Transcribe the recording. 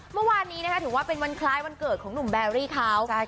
เมื่อวานนี้นะคะถือว่าเป็นวันคล้ายวันเกิดของหนุ่มแบรี่เขา